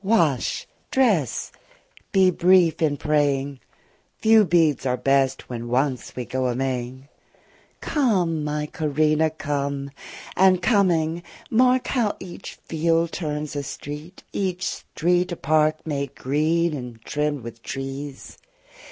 Wash, dress, be brief in praying: Few beads are best when once we go a Maying. Come, my Corinna, come; and coming, mark How each field turns a street, each street a park, 30 Made green and trimm'd with trees!